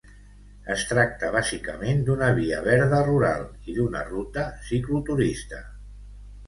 Es tracta bàsicament d'una via verda rural i d'una ruta cicloturista.